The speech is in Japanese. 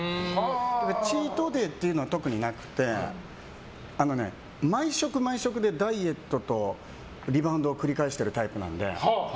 チートデーっていうのは特になくて、毎食毎食でダイエットとリバウンドを繰り返してるタイプなので。